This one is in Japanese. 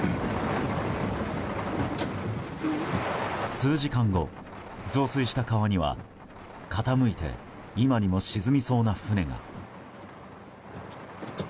数時間後、増水した川には傾いて今にも沈みそうな船が。